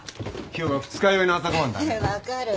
今日は二日酔いの朝ご飯だね。